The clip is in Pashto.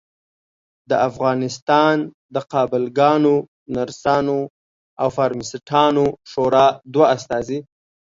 د افغانستان د قابلګانو ، نرسانو او فارمیسټانو شورا دوه استازي